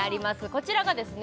こちらがですね